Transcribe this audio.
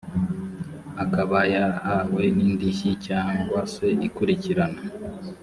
akaba yarahawe n indishyi cyangwa se ikurikirana